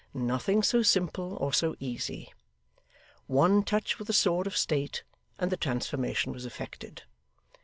Nothing so simple, or so easy. One touch with a sword of state, and the transformation was effected.